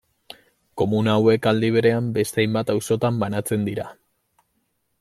Komuna hauek aldi berean beste hainbat auzotan banatzen dira.